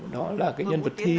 đó là cái nhân vật thi